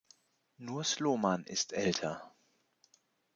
Nur Sloman ist älter.